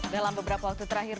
dalam beberapa waktu terakhir